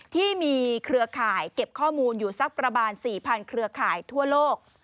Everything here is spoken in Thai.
ที่มีเครือข่ายเก็บข้อมูลอยู่สักประมาณ๔๐๐เครือข่ายทั่วโลก